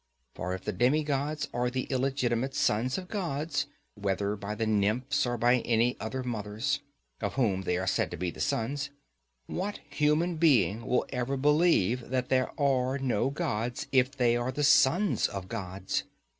For if the demigods are the illegitimate sons of gods, whether by the nymphs or by any other mothers, of whom they are said to be the sons—what human being will ever believe that there are no gods if they are the sons of gods?